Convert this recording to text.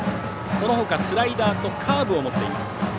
その他、スライダーとカーブを持っています。